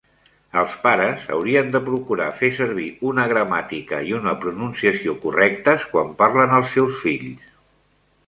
El pares haurien de procurar fer servir una gramàtica i una pronunciació correctes quan parlen als seus fills.